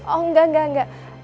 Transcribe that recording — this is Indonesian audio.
oh enggak enggak enggak